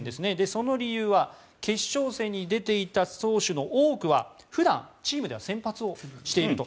その理由は決勝戦に出ていた投手の多くは普段、チームでは先発をしていると。